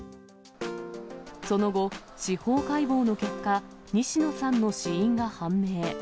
その後、司法解剖の結果、西野さんの死因が判明。